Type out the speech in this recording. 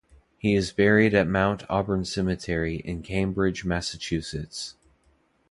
He is buried at Mount Auburn Cemetery in Cambridge, Massachusetts.